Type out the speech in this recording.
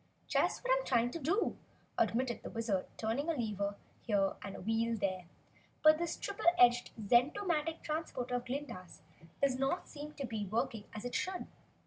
"Just what I'm trying to do!" admitted the Wizard, turning a lever here and a wheel there. "But this triple edged, zentomatic transporter of Glinda's does not seem to be working as it should.